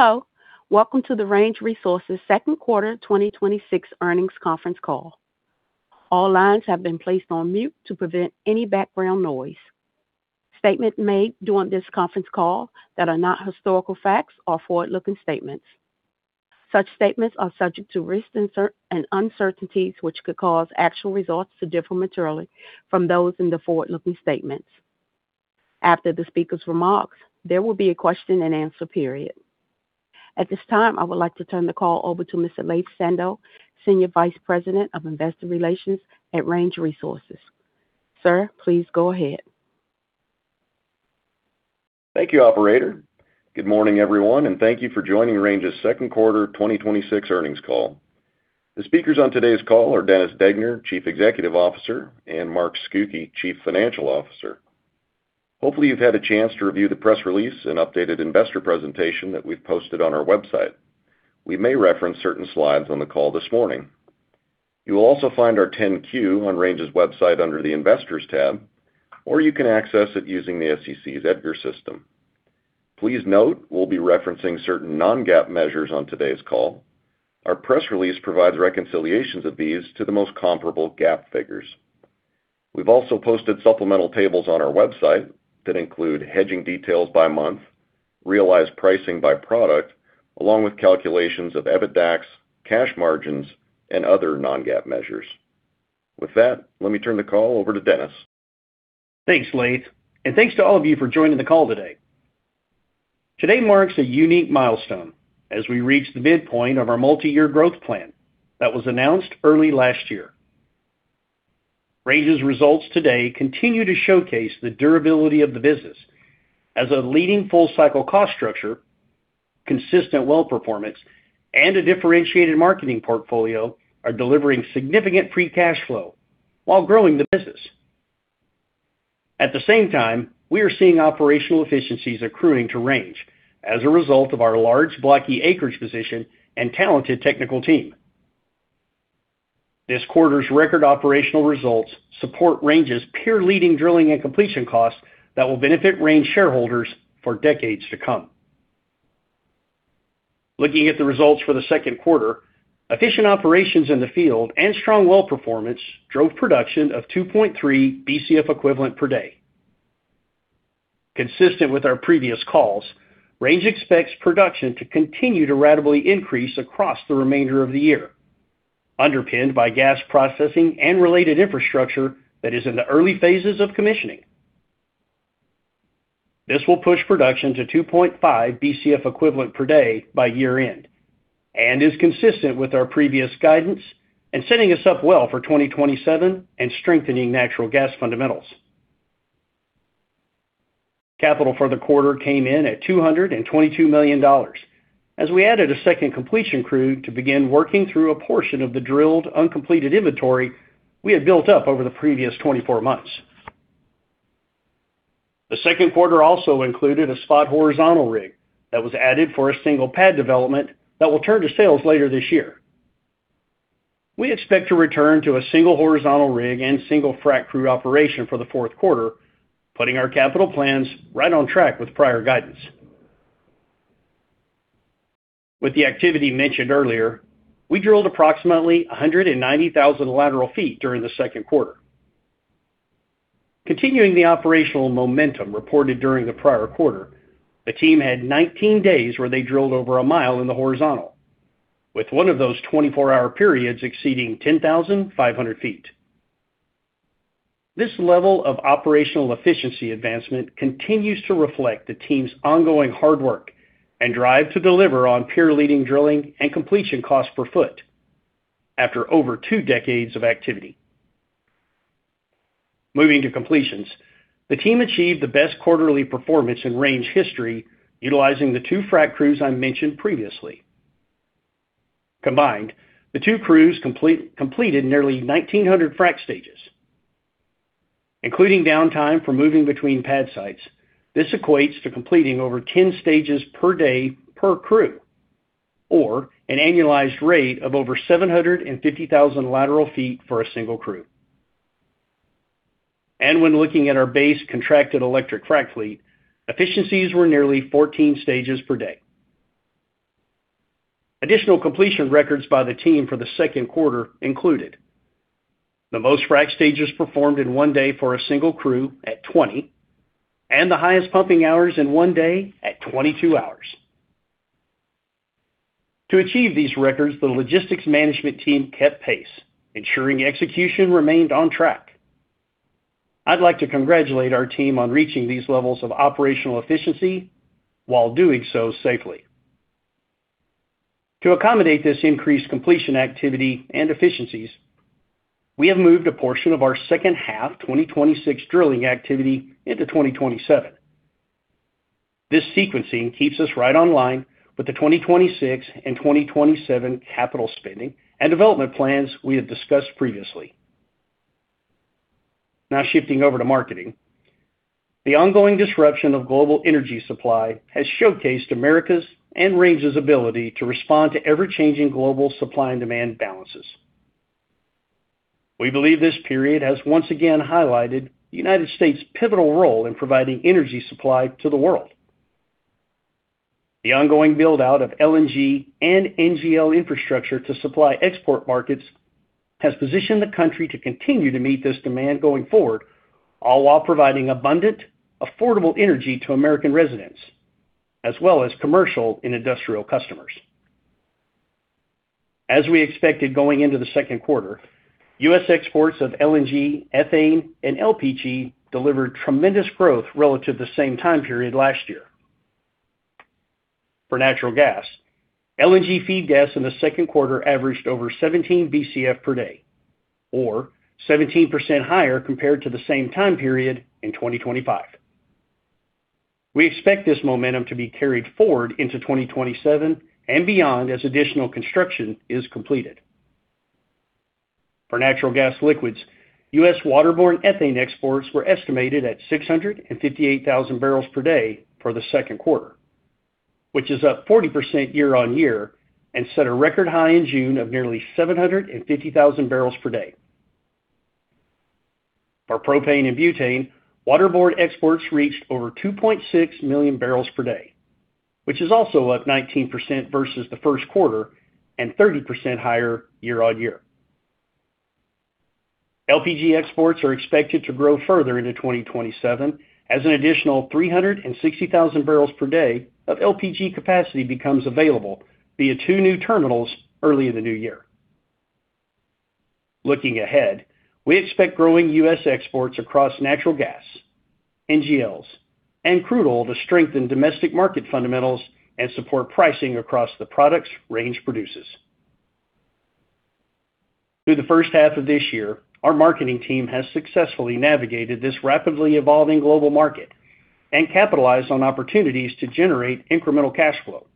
Hello, welcome to the Range Resources second quarter 2026 earnings conference call. All lines have been placed on mute to prevent any background noise. Statement made during this conference call that are not historical facts are forward-looking statements. Such statements are subject to risks and uncertainties, which could cause actual results to differ materially from those in the forward-looking statements. After the speaker's remarks, there will be a question and answer period. At this time, I would like to turn the call over to Mr. Laith Sando, Senior Vice President of Investor Relations at Range Resources. Sir, please go ahead. Thank you, operator. Good morning everyone, and thank you for joining Range's second quarter 2026 earnings call. The speakers on today's call are Dennis Degner, Chief Executive Officer, and Mark Scucchi, Chief Financial Officer. Hopefully you've had a chance to review the press release and updated investor presentation that we've posted on our website. We may reference certain slides on the call this morning. You will also find our 10-Q on Range's website under the Investors tab, or you can access it using the SEC's EDGAR system. Please note we'll be referencing certain non-GAAP measures on today's call. Our press release provides reconciliations of these to the most comparable GAAP figures. We've also posted supplemental tables on our website that include hedging details by month, realized pricing by product, along with calculations of EBITDAX, cash margins, and other non-GAAP measures. With that, let me turn the call over to Dennis. Thanks, Laith, and thanks to all of you for joining the call today. Today marks a unique milestone as we reach the midpoint of our multi-year growth plan that was announced early last year. Range's results today continue to showcase the durability of the business as a leading full cycle cost structure, consistent well performance, and a differentiated marketing portfolio are delivering significant free cash flow while growing the business. At the same time, we are seeing operational efficiencies accruing to Range as a result of our large blocky acreage position and talented technical team. This quarter's record operational results support Range's peer-leading drilling and completion costs that will benefit Range shareholders for decades to come. Looking at the results for the second quarter, efficient operations in the field and strong well performance drove production of 2.3 BCF equivalent per day. Consistent with our previous calls, Range expects production to continue to ratably increase across the remainder of the year, underpinned by gas processing and related infrastructure that is in the early phases of commissioning. This will push production to 2.5 BCF equivalent per day by year end, and is consistent with our previous guidance and setting us up well for 2027 and strengthening natural gas fundamentals. Capital for the quarter came in at $222 million as we added a second completion crew to begin working through a portion of the drilled uncompleted inventory we had built up over the previous 24 months. The second quarter also included a spot horizontal rig that was added for a single pad development that will turn to sales later this year. We expect to return to a single horizontal rig and single frac crew operation for the fourth quarter, putting our capital plans right on track with prior guidance. With the activity mentioned earlier, we drilled approximately 190,000 lateral ft during the second quarter. Continuing the operational momentum reported during the prior quarter, the team had 19 days where they drilled over a mile in the horizontal, with one of those 24-hour periods exceeding 10,500 ft. This level of operational efficiency advancement continues to reflect the team's ongoing hard work and drive to deliver on peer-leading drilling and completion cost per ft after over two decades of activity. Moving to completions, the team achieved the best quarterly performance in Range history utilizing the two frac crews I mentioned previously. Combined, the two crews completed nearly 1,900 frac stages, including downtime for moving between pad sites. This equates to completing over 10 stages per day per crew, or an annualized rate of over 750,000 lateral ft for a single crew. When looking at our base contracted electric frac fleet, efficiencies were nearly 14 stages per day. Additional completion records by the team for the second quarter included the most frac stages performed in one day for a single crew at 20, and the highest pumping hours in one day at 22 hours. To achieve these records, the logistics management team kept pace, ensuring execution remained on track. I'd like to congratulate our team on reaching these levels of operational efficiency while doing so safely. To accommodate this increased completion activity and efficiencies, we have moved a portion of our second half 2026 drilling activity into 2027. This sequencing keeps us right on line with the 2026 and 2027 capital spending and development plans we have discussed previously. Now shifting over to marketing. The ongoing disruption of global energy supply has showcased America's and Range's ability to respond to ever-changing global supply and demand balances. We believe this period has once again highlighted the U.S.'s pivotal role in providing energy supply to the world. The ongoing build-out of LNG and NGL infrastructure to supply export markets has positioned the country to continue to meet this demand going forward, all while providing abundant, affordable energy to American residents, as well as commercial and industrial customers. As we expected going into the second quarter, U.S. exports of LNG, ethane, and LPG delivered tremendous growth relative to the same time period last year. For natural gas, LNG feed gas in the second quarter averaged over 17 BCF per day, or 17% higher compared to the same time period in 2025. We expect this momentum to be carried forward into 2027 and beyond as additional construction is completed. For natural gas liquids, U.S. waterborne ethane exports were estimated at 658,000 barrels per day for the second quarter, which is up 40% year-on-year and set a record high in June of nearly 750,000 barrels per day. For propane and butane, waterborne exports reached over 2.6 million barrels per day, which is also up 19% versus the first quarter and 30% higher year-on-year. LPG exports are expected to grow further into 2027 as an additional 360,000 barrels per day of LPG capacity becomes available via two new terminals early in the new year. Looking ahead, we expect growing U.S. exports across natural gas, NGLs, and crude oil to strengthen domestic market fundamentals and support pricing across the products Range produces. Through the first half of this year, our marketing team has successfully navigated this rapidly evolving global market and capitalized on opportunities to generate incremental cash flow.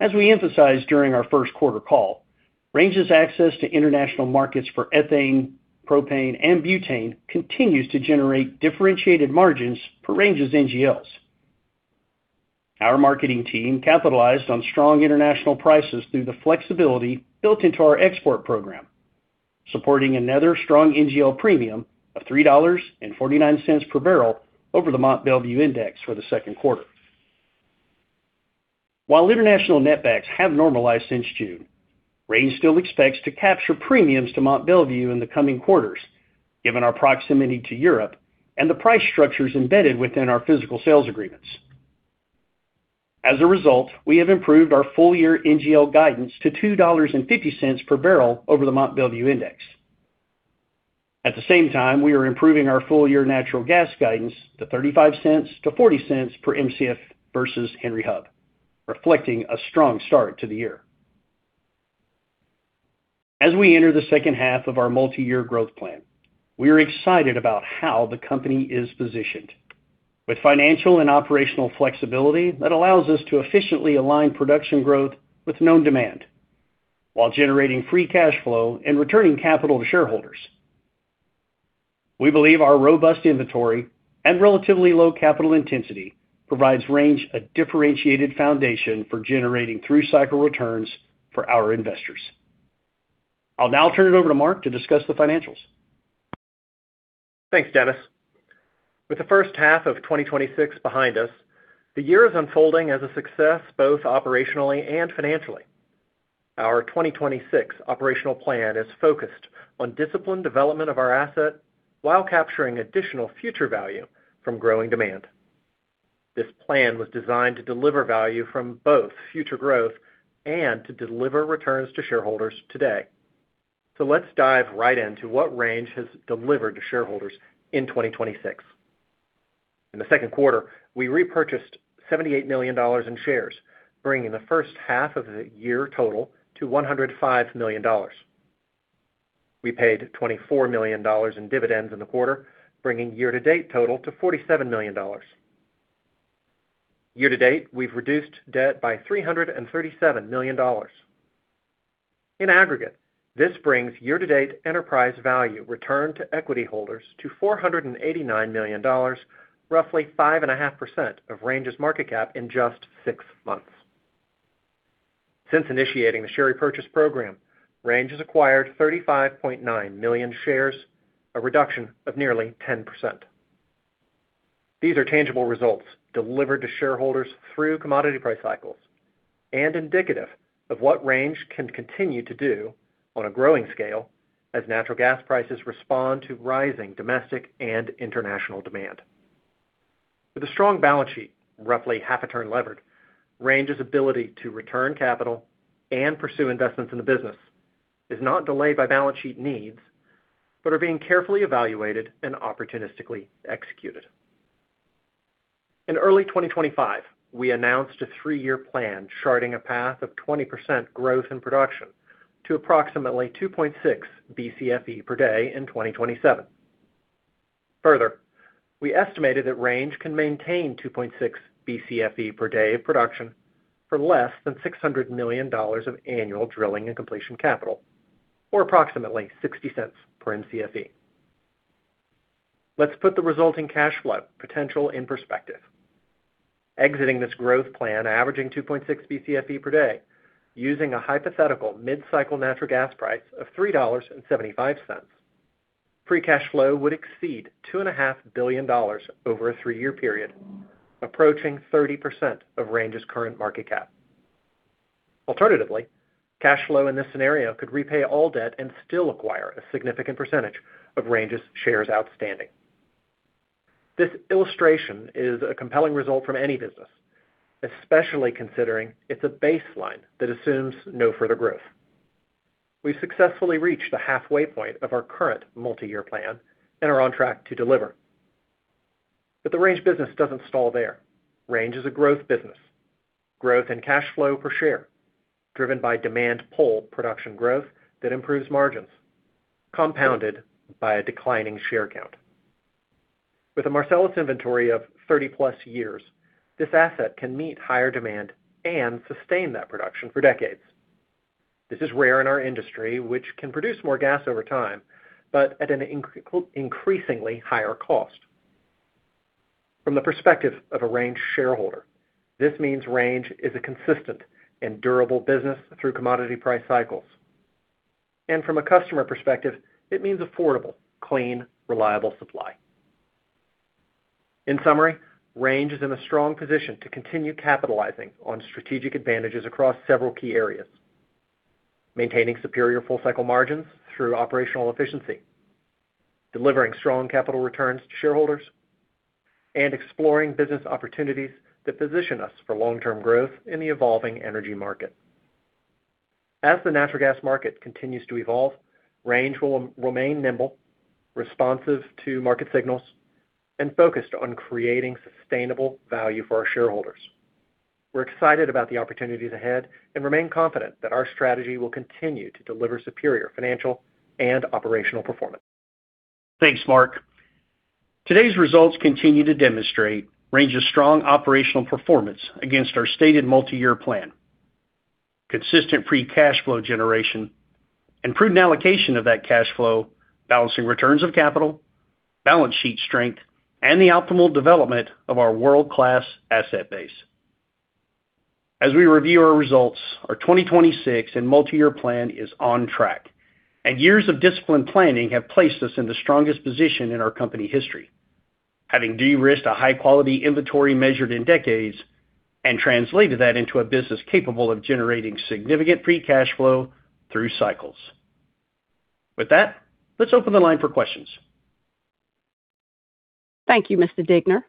As we emphasized during our first quarter call, Range's access to international markets for ethane, propane, and butane continues to generate differentiated margins for Range's NGLs. Our marketing team capitalized on strong international prices through the flexibility built into our export program, supporting another strong NGL premium of $3.49 per barrel over the Mont Belvieu index for the second quarter. While international netbacks have normalized since June, Range still expects to capture premiums to Mont Belvieu in the coming quarters, given our proximity to Europe and the price structures embedded within our physical sales agreements. As a result, we have improved our full year NGL guidance to $2.50 per barrel over the Mont Belvieu index. At the same time, we are improving our full year natural gas guidance to $0.35-$0.40 per Mcf versus Henry Hub, reflecting a strong start to the year. As we enter the second half of our multi-year growth plan, we are excited about how the company is positioned. With financial and operational flexibility that allows us to efficiently align production growth with known demand while generating free cash flow and returning capital to shareholders. We believe our robust inventory and relatively low capital intensity provides Range a differentiated foundation for generating through-cycle returns for our investors. I'll now turn it over to Mark to discuss the financials. Thanks, Dennis. With the first half of 2026 behind us, the year is unfolding as a success both operationally and financially. Our 2026 operational plan is focused on disciplined development of our asset while capturing additional future value from growing demand. This plan was designed to deliver value from both future growth and to deliver returns to shareholders today. Let's dive right into what Range has delivered to shareholders in 2026. In the second quarter, we repurchased $78 million in shares, bringing the first half of the year total to $105 million. We paid $24 million in dividends in the quarter, bringing year to date total to $47 million. Year to date, we've reduced debt by $337 million. In aggregate, this brings year to date enterprise value returned to equity holders to $489 million, roughly 5.5% of Range's market cap in just six months. Since initiating the share repurchase program, Range has acquired 35.9 million shares, a reduction of nearly 10%. These are tangible results delivered to shareholders through commodity price cycles and indicative of what Range can continue to do on a growing scale as natural gas prices respond to rising domestic and international demand. With a strong balance sheet, roughly half a turn levered, Range's ability to return capital and pursue investments in the business is not delayed by balance sheet needs, but are being carefully evaluated and opportunistically executed. In early 2025, we announced a three-year plan charting a path of 20% growth in production to approximately 2.6 BCFE per day in 2027. Further, we estimated that Range can maintain 2.6 BCFE per day of production for less than $600 million of annual drilling and completion capital, or approximately $0.60 per MCFE. Let's put the resulting cash flow potential in perspective. Exiting this growth plan averaging 2.6 Bcf per day using a hypothetical mid-cycle natural gas price of $3.75, free cash flow would exceed $2.5 billion over a three-year period, approaching 30% of Range's current market cap. Alternatively, cash flow in this scenario could repay all debt and still acquire a significant percentage of Range's shares outstanding. This illustration is a compelling result from any business, especially considering it's a baseline that assumes no further growth. We've successfully reached the halfway point of our current multi-year plan and are on track to deliver. The Range business doesn't stall there. Range is a growth business. Growth and cash flow per share driven by demand pull production growth that improves margins, compounded by a declining share count. With a Marcellus inventory of 30-plus years, this asset can meet higher demand and sustain that production for decades. This is rare in our industry, which can produce more gas over time, but at an increasingly higher cost. From the perspective of a Range shareholder, this means Range is a consistent and durable business through commodity price cycles. From a customer perspective, it means affordable, clean, reliable supply. In summary, Range is in a strong position to continue capitalizing on strategic advantages across several key areas. Maintaining superior full-cycle margins through operational efficiency, delivering strong capital returns to shareholders, and exploring business opportunities that position us for long-term growth in the evolving energy market. As the natural gas market continues to evolve, Range will remain nimble, responsive to market signals, and focused on creating sustainable value for our shareholders. We're excited about the opportunities ahead and remain confident that our strategy will continue to deliver superior financial and operational performance. Thanks, Mark. Today's results continue to demonstrate Range's strong operational performance against our stated multi-year plan. Consistent free cash flow generation and prudent allocation of that cash flow, balancing returns of capital, balance sheet strength, and the optimal development of our world-class asset base. As we review our results, our 2026 and multi-year plan is on track, and years of disciplined planning have placed us in the strongest position in our company history, having de-risked a high-quality inventory measured in decades and translated that into a business capable of generating significant free cash flow through cycles. With that, let's open the line for questions. Thank you, Mr. Degner.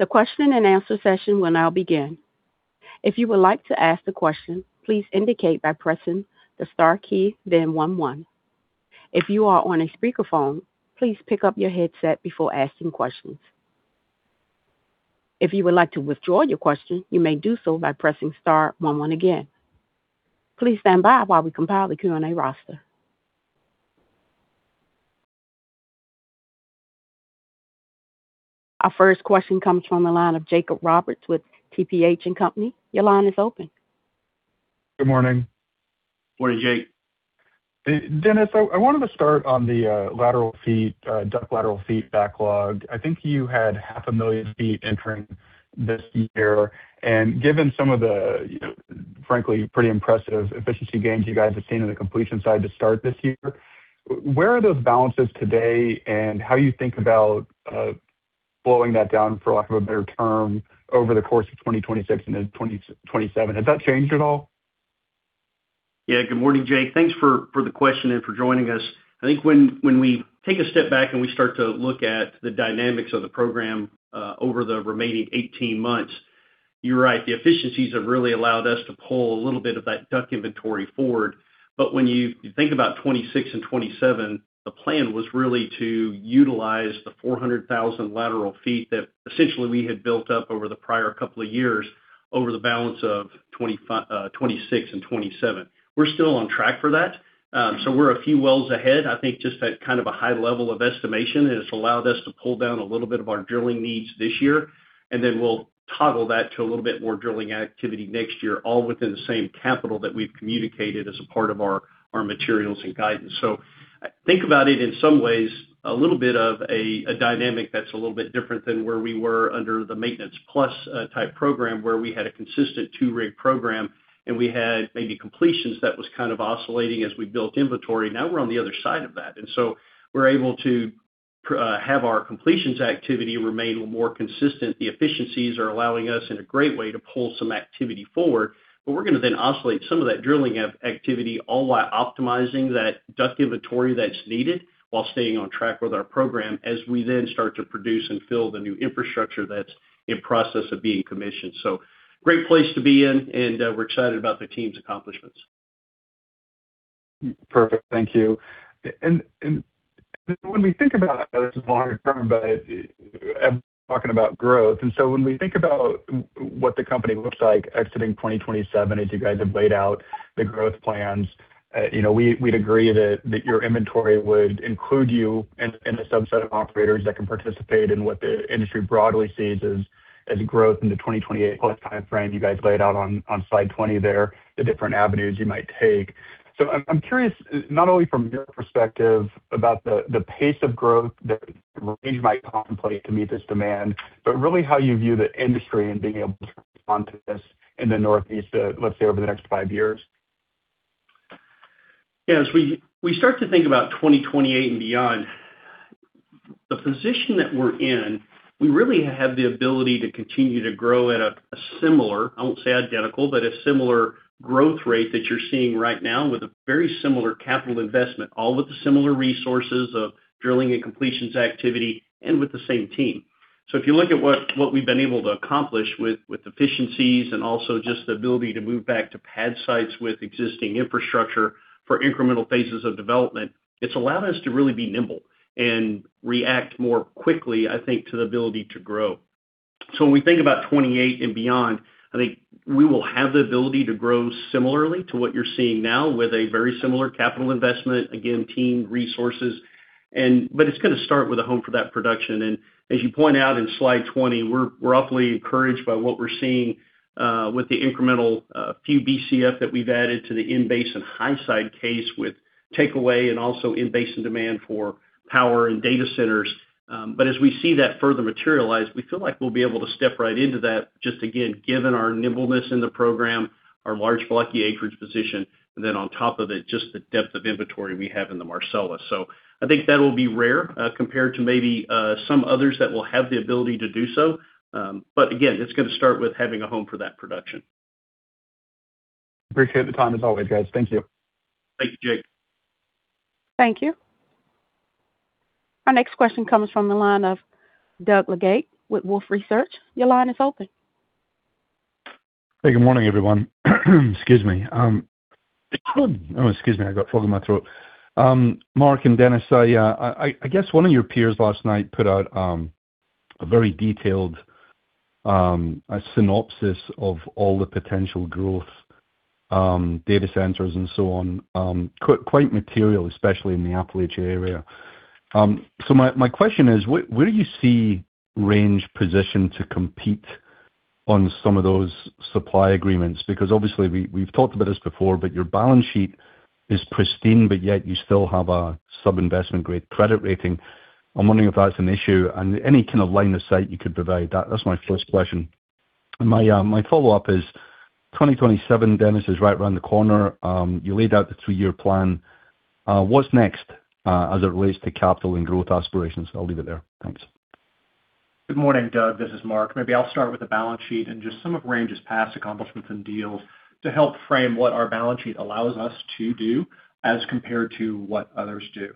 The question and answer session will now begin. If you would like to ask the question, please indicate by pressing the star key, then one. If you are on a speakerphone, please pick up your headset before asking questions. If you would like to withdraw your question, you may do so by pressing star one again. Please stand by while we compile the Q&A roster. Our first question comes from the line of Jake Roberts with TPH & Company. Your line is open. Good morning. Morning, Jake. Dennis, I wanted to start on the lateral feed, DUC lateral feed backlog. I think you had half a million ft entering this year. Given some of the, frankly, pretty impressive efficiency gains you guys have seen on the completion side to start this year, where are those balances today and how you think about blowing that down for lack of a better term over the course of 2026 and into 2027? Has that changed at all? Yeah. Good morning, Jake. Thanks for the question and for joining us. I think when we take a step back and we start to look at the dynamics of the program over the remaining 18 months, you're right. The efficiencies have really allowed us to pull a little bit of that DUC inventory forward. When you think about 2026 and 2027, the plan was really to utilize the 400,000 lateral ft that essentially we had built up over the prior couple of years over the balance of 2026 and 2027. We're still on track for that. We're a few wells ahead. I think just at kind of a high level of estimation, it has allowed us to pull down a little bit of our drilling needs this year, then we'll toggle that to a little bit more drilling activity next year, all within the same capital that we've communicated as a part of our materials and guidance. Think about it in some ways, a little bit of a dynamic that's a little bit different than where we were under the maintenance plus type program where we had a consistent two-rig program, we had maybe completions that was kind of oscillating as we built inventory. Now we're on the other side of that, so we're able to have our completions activity remain more consistent. The efficiencies are allowing us in a great way to pull some activity forward, we're going to oscillate some of that drilling activity all while optimizing that DUC inventory that's needed while staying on track with our program as we start to produce and fill the new infrastructure that's in process of being commissioned. Great place to be in, we're excited about the team's accomplishments. Perfect. Thank you. When we think about this long term, I'm talking about growth. When we think about what the company looks like exiting 2027, as you guys have laid out the growth plans, we'd agree that your inventory would include you in the subset of operators that can participate in what the industry broadly sees as growth in the 2028 plus timeframe. You guys laid out on slide 20 there, the different avenues you might take. I'm curious, not only from your perspective about the pace of growth that Range might contemplate to meet this demand, but really how you view the industry and being able to respond to this in the Northeast, let's say over the next five years. Yeah. As we start to think about 2028 and beyond, the position that we're in, we really have the ability to continue to grow at a similar, I won't say identical, but a similar growth rate that you're seeing right now with a very similar capital investment, all with the similar resources of drilling and completions activity and with the same team. If you look at what we've been able to accomplish with efficiencies and also just the ability to move back to pad sites with existing infrastructure for incremental phases of development, it's allowed us to really be nimble and react more quickly, I think, to the ability to grow. When we think about 2028 and beyond, I think we will have the ability to grow similarly to what you're seeing now with a very similar capital investment, again, team resources. It's going to start with a home for that production. As you point out in slide 20, we're awfully encouraged by what we're seeing with the incremental few BCF that we've added to the in-basin high side case with takeaway and also in-basin demand for power and data centers. As we see that further materialize, we feel like we'll be able to step right into that, just again, given our nimbleness in the program, our large blocky acreage position, and then on top of it, just the depth of inventory we have in the Marcellus. I think that'll be rare compared to maybe some others that will have the ability to do so. Again, it's going to start with having a home for that production. Appreciate the time as always, guys. Thank you. Thank you, Jake. Thank you. Our next question comes from the line of Doug Leggate with Wolfe Research. Your line is open. Hey, good morning, everyone. Excuse me. Oh, excuse me, I got phlegm in my throat. Mark and Dennis, I guess one of your peers last night put out a very detailed synopsis of all the potential growth, data centers and so on. Quite material, especially in the Appalachia area. My question is: Where do you see Range positioned to compete on some of those supply agreements? Obviously, we've talked about this before, but your balance sheet is pristine, but yet you still have a sub-investment grade credit rating. I'm wondering if that's an issue and any kind of line of sight you could provide. That's my first question. My follow-up is 2027, Dennis, is right around the corner. You laid out the three-year plan. What's next as it relates to capital and growth aspirations? I'll leave it there. Thanks. Good morning, Doug. This is Mark. Maybe I'll start with the balance sheet and just some of Range's past accomplishments and deals to help frame what our balance sheet allows us to do as compared to what others do.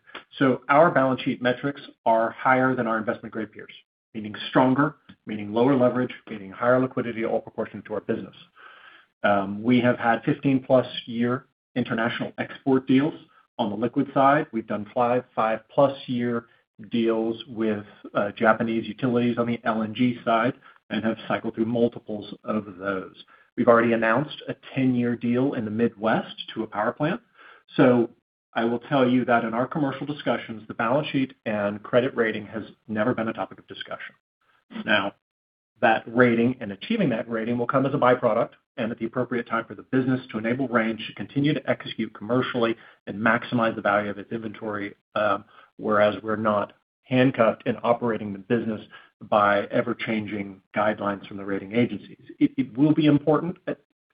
Our balance sheet metrics are higher than our investment-grade peers, meaning stronger, meaning lower leverage, meaning higher liquidity, all proportion to our business. We have had 15-plus year international export deals. On the liquid side, we've done five-plus year deals with Japanese utilities on the LNG side and have cycled through multiples of those. We've already announced a 10-year deal in the Midwest to a power plant. I will tell you that in our commercial discussions, the balance sheet and credit rating has never been a topic of discussion. That rating and achieving that rating will come as a byproduct and at the appropriate time for the business to enable Range to continue to execute commercially and maximize the value of its inventory. We're not handcuffed in operating the business by ever-changing guidelines from the rating agencies. It will be important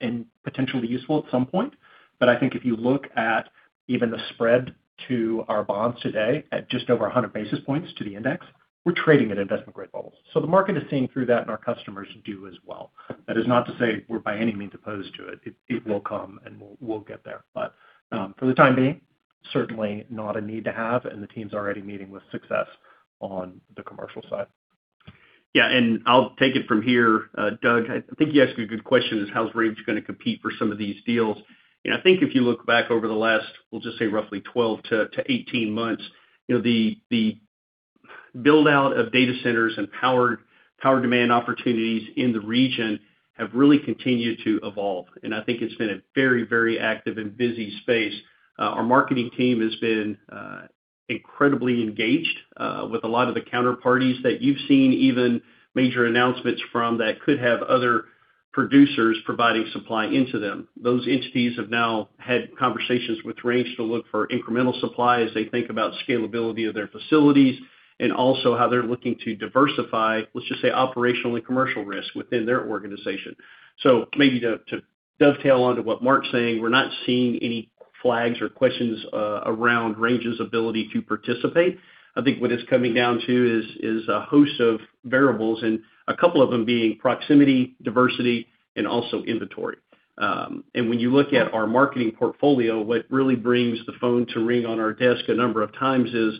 and potentially useful at some point. I think if you look at even the spread to our bonds today at just over 100 basis points to the index, we're trading at investment-grade levels. The market is seeing through that, and our customers do as well. That is not to say we're by any means opposed to it. It will come, and we'll get there. For the time being, certainly not a need to have, and the team's already meeting with success on the commercial side. I'll take it from here. Doug, I think you asked me a good question, is how's Range going to compete for some of these deals? I think if you look back over the last, we'll just say roughly 12 to 18 months, the build-out of data centers and power demand opportunities in the region have really continued to evolve, and I think it's been a very active and busy space. Our marketing team has been incredibly engaged with a lot of the counterparties that you've seen even major announcements from that could have other producers providing supply into them. Those entities have now had conversations with Range to look for incremental supply as they think about scalability of their facilities and also how they're looking to diversify, let's just say, operational and commercial risk within their organization. Maybe to dovetail onto what Mark's saying, we're not seeing any flags or questions around Range's ability to participate. I think what it's coming down to is a host of variables, and a couple of them being proximity, diversity, and also inventory. When you look at our marketing portfolio, what really brings the phone to ring on our desk a number of times is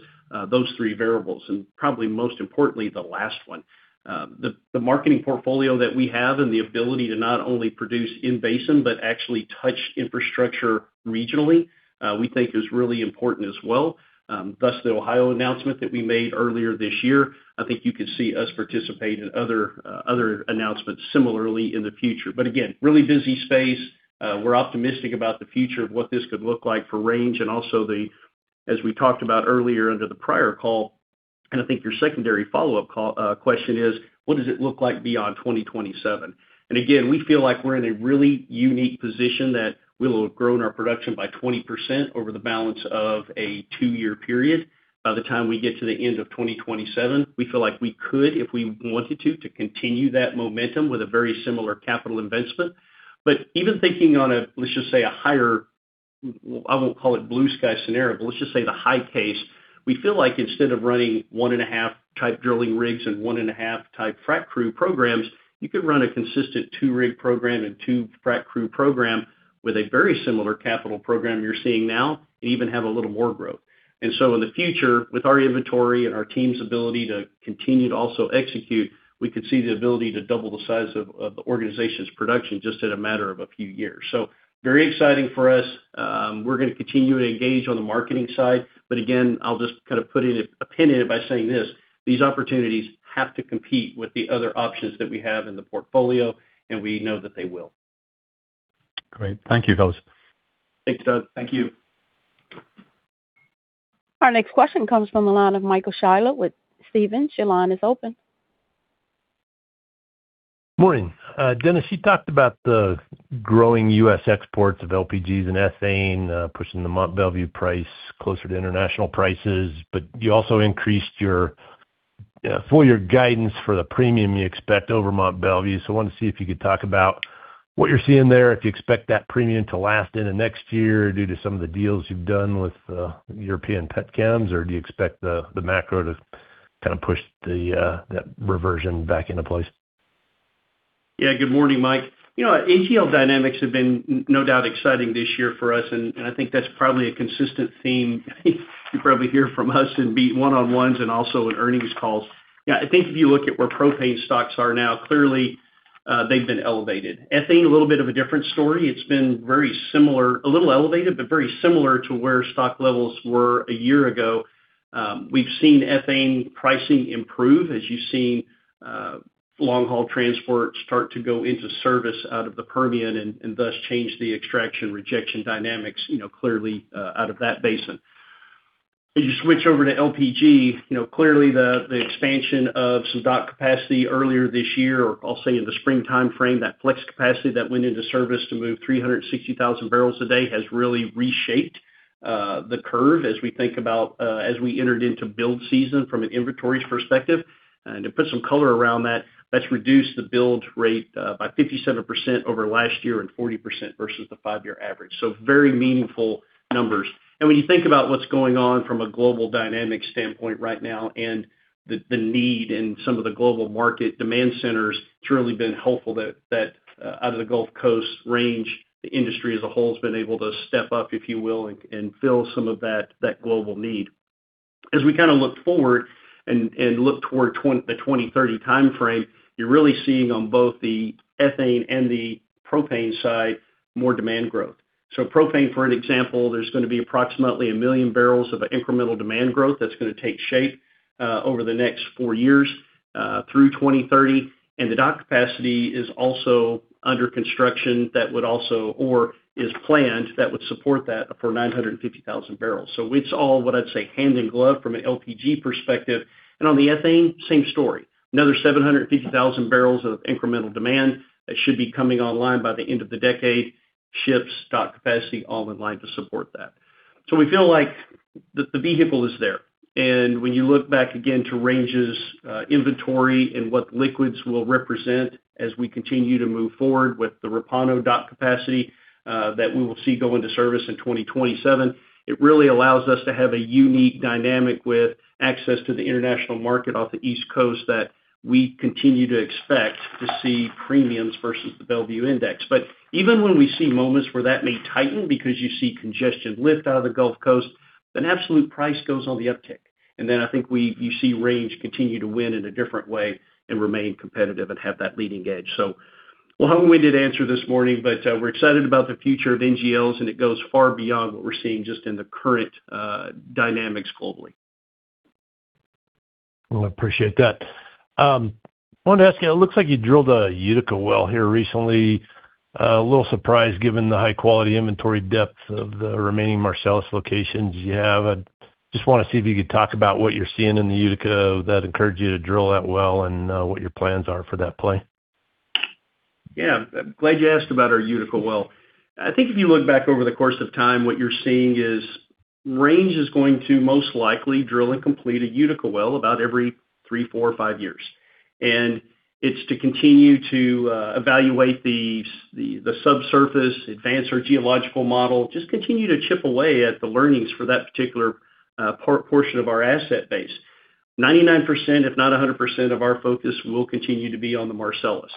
those three variables, and probably most importantly, the last one. The marketing portfolio that we have and the ability to not only produce in-basin but actually touch infrastructure regionally, we think is really important as well. Thus, the Ohio announcement that we made earlier this year. I think you could see us participate in other announcements similarly in the future. Again, really busy space. We're optimistic about the future of what this could look like for Range and also as we talked about earlier under the prior call, and I think your secondary follow-up question is: What does it look like beyond 2027? Again, we feel like we're in a really unique position that we will have grown our production by 20% over the balance of a two-year period. By the time we get to the end of 2027, we feel like we could, if we wanted to, continue that momentum with a very similar capital investment. Even thinking on a, let's just say, a higher I won't call it blue sky scenario, but let's just say the high case. We feel like instead of running 1.5 type drilling rigs and 1.5 type frac crew programs, you could run a consistent two rig program and two frac crew program with a very similar capital program you're seeing now and even have a little more growth. In the future, with our inventory and our team's ability to continue to also execute, we could see the ability to double the size of the organization's production just in a matter of a few years. Very exciting for us. We're going to continue to engage on the marketing side, again, I'll just kind of put a pin in it by saying this, these opportunities have to compete with the other options that we have in the portfolio, and we know that they will. Great. Thank you, Dennis. Thanks, Doug. Thank you. Our next question comes from the line of Michael Scialla with Stephens. Your line is open. Morning. Dennis, you talked about the growing U.S. exports of LPGs and ethane, pushing the Mont Belvieu price closer to international prices. You also increased your full year guidance for the premium you expect over Mont Belvieu. I wanted to see if you could talk about what you're seeing there, if you expect that premium to last into next year due to some of the deals you've done with European pet chems, or do you expect the macro to kind of push that reversion back into place? Good morning, Mike. NGL dynamics have been no doubt exciting this year for us, and I think that's probably a consistent theme you probably hear from us in one-on-ones and also in earnings calls. I think if you look at where propane stocks are now, clearly, they've been elevated. Ethane, a little bit of a different story. It's been a little elevated, but very similar to where stock levels were a year ago. We've seen ethane pricing improve as you've seen long haul transport start to go into service out of the Permian and thus change the extraction rejection dynamics clearly out of that basin. As you switch over to LPG, clearly the expansion of some dock capacity earlier this year or I'll say in the spring timeframe, that flex capacity that went into service to move 360,000 barrels a day has really reshaped the curve as we entered into build season from an inventories perspective. To put some color around that's reduced the build rate by 57% over last year and 40% versus the five-year average. Very meaningful numbers. When you think about what's going on from a global dynamic standpoint right now and the need in some of the global market demand centers, it's really been helpful that out of the Gulf Coast, Range, the industry as a whole has been able to step up, if you will, and fill some of that global need. As we kind of look forward and look toward the 2030 timeframe, you're really seeing on both the ethane and the propane side, more demand growth. Propane, for an example, there's going to be approximately 1 million barrels of incremental demand growth that's going to take shape over the next four years through 2030. The dock capacity is also under construction or is planned that would support that for 950,000 barrels. It's all what I'd say hand in glove from an LPG perspective. On the ethane, same story. Another 750,000 barrels of incremental demand that should be coming online by the end of the decade. Ships, dock capacity, all in line to support that. We feel like the vehicle is there. When you look back again to Range Resources' inventory and what NGLs will represent as we continue to move forward with the Repauno dock capacity that we will see go into service in 2027, it really allows us to have a unique dynamic with access to the international market off the East Coast that we continue to expect to see premiums versus the Belvieu index. Even when we see moments where that may tighten because you see congestion lift out of the Gulf Coast, an absolute price goes on the uptick. I think you see Range Resources continue to win in a different way and remain competitive and have that leading edge. We'll have a winded answer this morning, but we're excited about the future of NGLs, and it goes far beyond what we're seeing just in the current dynamics globally. Well, I appreciate that. I wanted to ask you, it looks like you drilled a Utica well here recently. A little surprised given the high quality inventory depth of the remaining Marcellus locations you have. I just want to see if you could talk about what you're seeing in the Utica that encouraged you to drill that well, and what your plans are for that play. Yeah. Glad you asked about our Utica well. I think if you look back over the course of time, what you're seeing is Range Resources is going to most likely drill and complete a Utica well about every three, four, five years. It's to continue to evaluate the subsurface, advance our geological model, just continue to chip away at the learnings for that particular portion of our asset base. 99% if not 100% of our focus will continue to be on the Marcellus.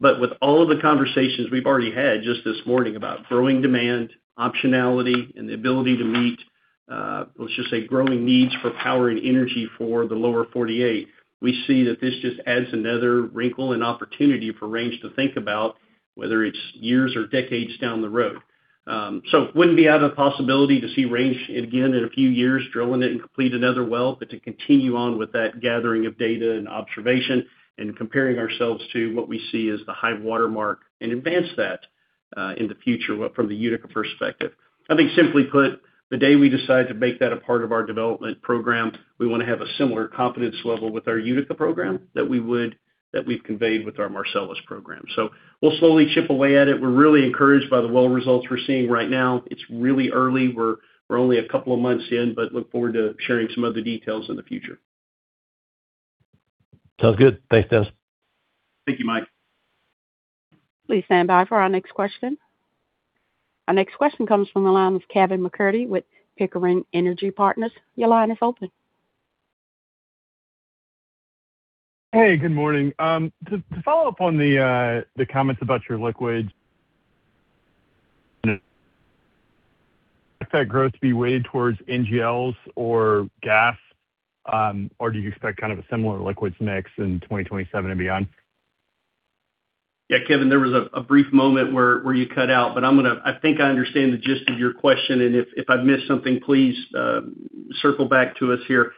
With all of the conversations we've already had just this morning about growing demand, optionality, and the ability to meet, let's just say, growing needs for power and energy for the lower 48, we see that this just adds another wrinkle and opportunity for Range Resources to think about whether it's years or decades down the road. Wouldn't be out of possibility to see Range Resources again in a few years drilling it and complete another well, but to continue on with that gathering of data and observation and comparing ourselves to what we see as the high watermark and advance that in the future from the Utica perspective. I think simply put, the day we decide to make that a part of our development program, we want to have a similar confidence level with our Utica program that we've conveyed with our Marcellus program. We'll slowly chip away at it. We're really encouraged by the well results we're seeing right now. It's really early. We're only a couple of months in, but look forward to sharing some of the details in the future. Sounds good. Thanks, Dennis. Thank you, Mike. Please stand by for our next question. Our next question comes from the line of Kevin MacCurdy with Pickering Energy Partners. Your line is open. Hey, good morning. To follow up on the comments about your liquids. Do you expect growth to be weighted towards NGLs or gas? Or do you expect kind of a similar liquids mix in 2027 and beyond? Yeah, Kevin, there was a brief moment where you cut out. I think I understand the gist of your question. If I've missed something, please circle back to us here.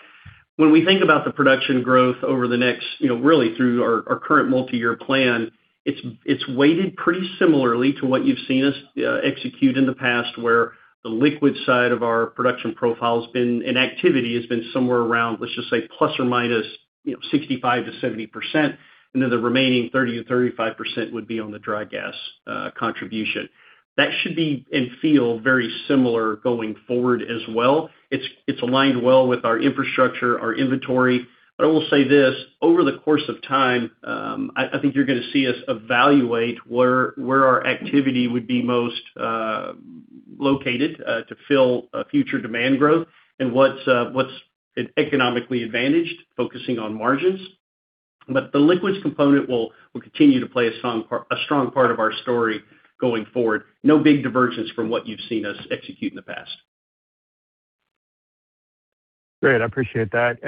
When we think about the production growth over the next, really through our current multi-year plan, it's weighted pretty similarly to what you've seen us execute in the past, where the liquid side of our production profile has been an activity, has been somewhere around, let's just say, plus or minus 65%-70%. Then the remaining 30%-35% would be on the dry gas contribution. That should be and feel very similar going forward as well. It's aligned well with our infrastructure, our inventory. I will say this, over the course of time, I think you're going to see us evaluate where our activity would be most located, to fill future demand growth and what's economically advantaged, focusing on margins. The liquids component will continue to play a strong part of our story going forward. No big divergence from what you've seen us execute in the past. Great, I appreciate that.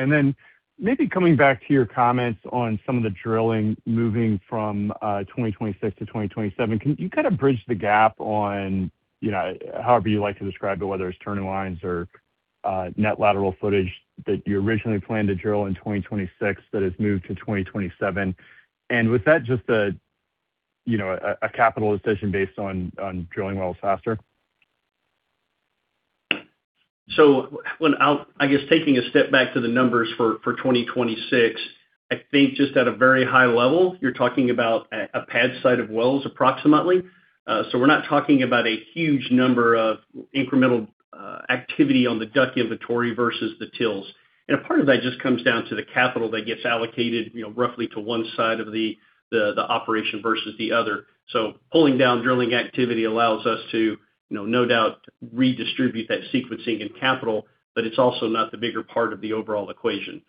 Maybe coming back to your comments on some of the drilling moving from 2026 to 2027. Can you kind of bridge the gap on, however you like to describe it, whether it's TILs or net lateral ftage that you originally planned to drill in 2026 that has moved to 2027. Was that just a capital decision based on drilling wells faster? I guess taking a step back to the numbers for 2026, I think just at a very high level, you're talking about a pad site of wells approximately. We're not talking about a huge number of incremental activity on the DUC inventory versus the TILs. A part of that just comes down to the capital that gets allocated roughly to one side of the operation versus the other. Pulling down drilling activity allows us to no doubt redistribute that sequencing and capital, it's also not the bigger part of the overall equation.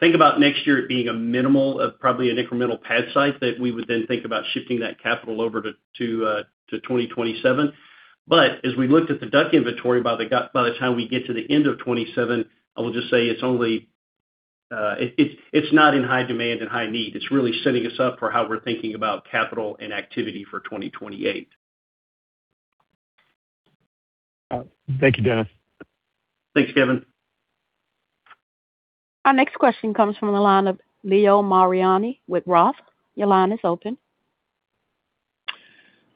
Think about next year it being a minimal of probably an incremental pad site that we would then think about shifting that capital over to 2027. As we looked at the DUC inventory, by the time we get to the end of 2027, I will just say it's not in high demand and high need. It's really setting us up for how we're thinking about capital and activity for 2028. Thank you, Dennis. Thanks, Kevin. Our next question comes from the line of Leo Mariani with Roth. Your line is open.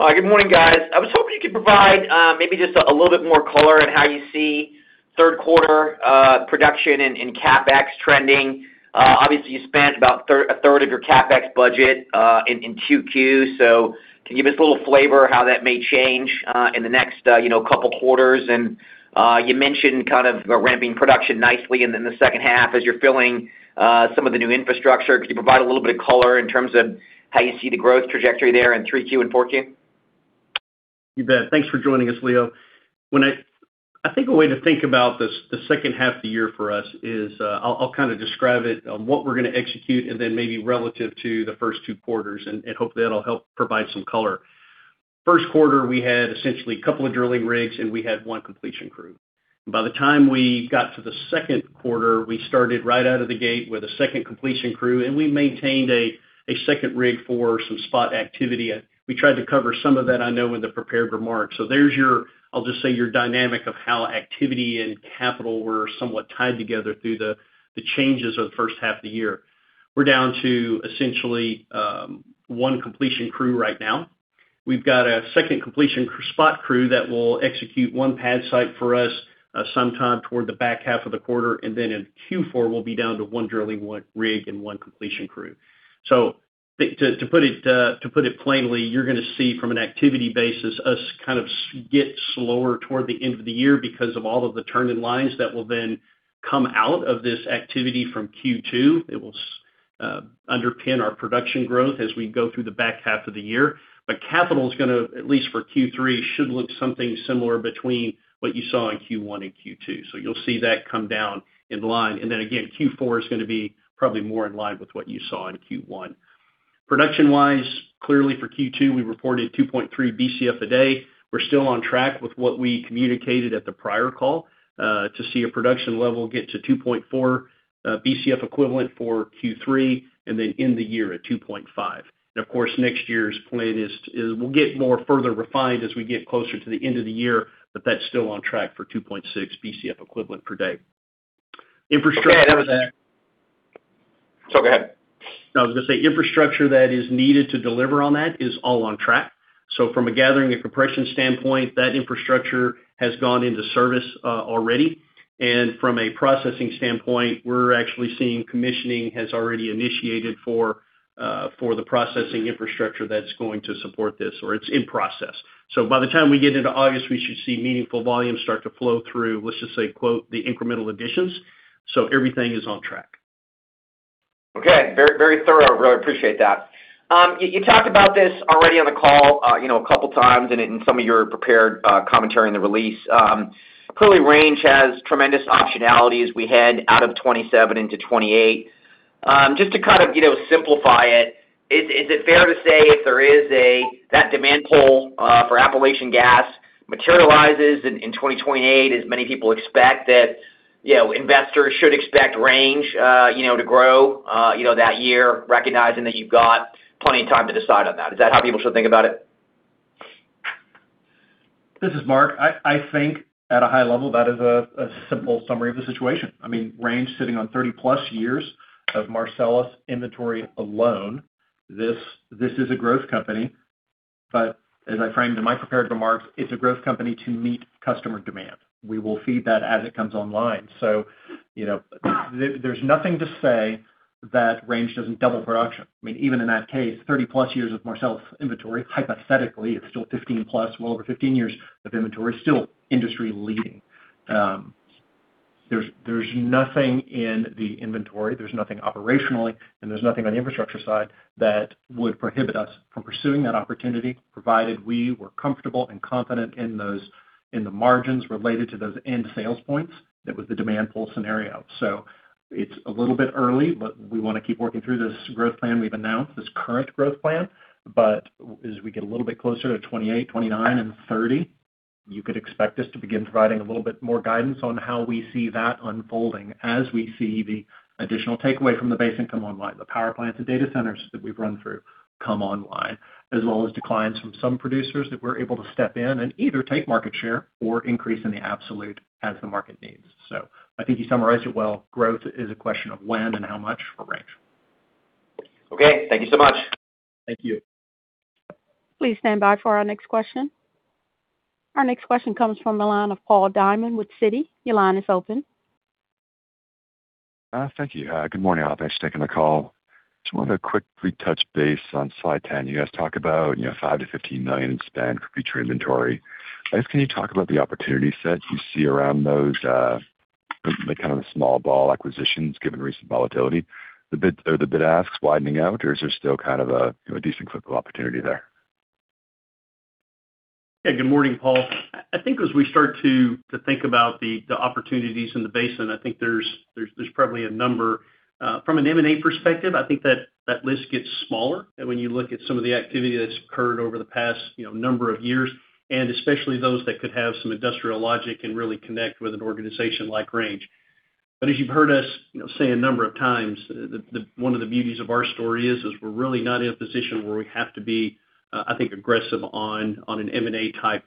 Hi, good morning, guys. I was hoping you could provide maybe just a little bit more color on how you see third quarter production in CapEx trending. Obviously, you spent about a third of your CapEx budget in Q2. Can you give us a little flavor how that may change in the next couple quarters? You mentioned kind of ramping production nicely and in the second half as you're filling some of the new infrastructure. Could you provide a little bit of color in terms of how you see the growth trajectory there in Q3 and Q4? You bet. Thanks for joining us, Leo. I think a way to think about the second half of the year for us is, I'll kind of describe it on what we're going to execute and then maybe relative to the first two quarters, and hope that'll help provide some color. First quarter, we had essentially a couple of drilling rigs and we had one completion crew. By the time we got to the second quarter, we started right out of the gate with a second completion crew, and we maintained a second rig for some spot activity. We tried to cover some of that, I know, in the prepared remarks. There's your, I'll just say, your dynamic of how activity and capital were somewhat tied together through the changes of the first half of the year. We're down to essentially one completion crew right now. We've got a second completion spot crew that will execute one pad site for us sometime toward the back half of the quarter. In Q4, we'll be down to one drilling rig and one completion crew. To put it plainly, you're going to see from an activity basis us kind of get slower toward the end of the year because of all of the turn-in lines that will then come out of this activity from Q2. It will underpin our production growth as we go through the back half of the year. Capital is going to, at least for Q3, should look something similar between what you saw in Q1 and Q2. You'll see that come down in line. Again, Q4 is going to be probably more in line with what you saw in Q1. Production-wise, clearly for Q2, we reported 2.3 BCF a day. We're still on track with what we communicated at the prior call, to see a production level get to 2.4 BCFE for Q3, and then end the year at 2.5. Of course, next year's plan will get more further refined as we get closer to the end of the year, but that's still on track for 2.6 BCFE per day. Okay. Sorry, go ahead. No, I was going to say, infrastructure that is needed to deliver on that is all on track. From a gathering and compression standpoint, that infrastructure has gone into service already. From a processing standpoint, we're actually seeing commissioning has already initiated for the processing infrastructure that's going to support this, or it's in process. By the time we get into August, we should see meaningful volumes start to flow through, let's just say, quote, the incremental additions. Everything is on track. Okay. Very thorough. Really appreciate that. You talked about this already on the call a couple of times, and in some of your prepared commentary in the release. Clearly, Range has tremendous optionality as we head out of 2027 into 2028. Just to simplify it, is it fair to say if that demand pull for Appalachian Gas materializes in 2028, as many people expect, that investors should expect Range to grow that year, recognizing that you've got plenty of time to decide on that? Is that how people should think about it? This is Mark. I think at a high level, that is a simple summary of the situation. Range is sitting on 30-plus years of Marcellus inventory alone. This is a growth company, but as I framed in my prepared remarks, it's a growth company to meet customer demand. We will feed that as it comes online. There's nothing to say that Range doesn't double production. Even in that case, 30-plus years of Marcellus inventory, hypothetically, it's still 15-plus, well over 15 years of inventory, still industry-leading. There's nothing in the inventory, there's nothing operationally, and there's nothing on the infrastructure side that would prohibit us from pursuing that opportunity, provided we were comfortable and confident in the margins related to those end sales points that was the demand pull scenario. It's a little bit early, but we want to keep working through this growth plan we've announced, this current growth plan. As we get a little bit closer to 2028, 2029, and 2030, you could expect us to begin providing a little bit more guidance on how we see that unfolding as we see the additional takeaway from the basin come online, the power plants and data centers that we've run through come online, as well as declines from some producers that we're able to step in and either take market share or increase in the absolute as the market needs. I think you summarized it well. Growth is a question of when and how much for Range. Okay. Thank you so much. Thank you. Please stand by for our next question. Our next question comes from the line of Paul Diamond with Citi. Your line is open. Thank you. Good morning, all. Thanks for taking the call. Just wanted a quick touch base on slide 10. You guys talk about $5 million-$15 million in spend for future inventory. I guess, can you talk about the opportunity sets you see around those, the small ball acquisitions given recent volatility? Are the bid asks widening out or is there still a decent clip of opportunity there? Yeah. Good morning, Paul. I think as we start to think about the opportunities in the basin, I think there's probably a number. From an M&A perspective, I think that list gets smaller. When you look at some of the activity that's occurred over the past number of years, and especially those that could have some industrial logic and really connect with an organization like Range. As you've heard us say a number of times, one of the beauties of our story is we're really not in a position where we have to be, I think, aggressive on an M&A type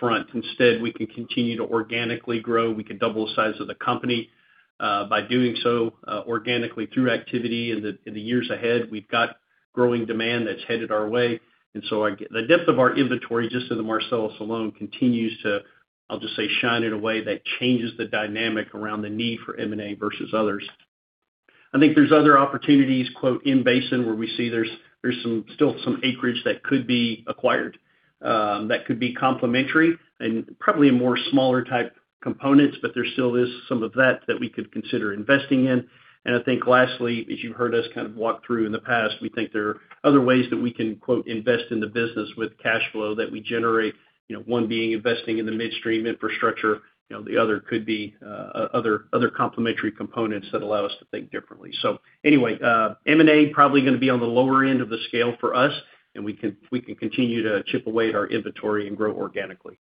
front. Instead, we can continue to organically grow. We can double the size of the company by doing so organically through activity in the years ahead. We've got growing demand that's headed our way. The depth of our inventory, just in the Marcellus alone, continues to, I'll just say, shine in a way that changes the dynamic around the need for M&A versus others. I think there's other opportunities "in basin" where we see there's still some acreage that could be acquired, that could be complementary, and probably more smaller type components. There still is some of that that we could consider investing in. I think lastly, as you've heard us walk through in the past, we think there are other ways that we can "invest in the business" with cash flow that we generate. One being investing in the midstream infrastructure, the other could be other complementary components that allow us to think differently. Anyway, M&A probably going to be on the lower end of the scale for us, and we can continue to chip away at our inventory and grow organically.